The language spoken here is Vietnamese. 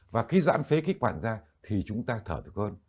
và khi giãn phế khí quản ra thì chúng ta thở được hơn